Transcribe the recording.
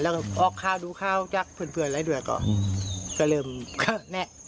แล้วก็ออกข้าวดูข้าวจากเพื่อนเพื่อนอะไรด้วยก็เริ่มก็แนะ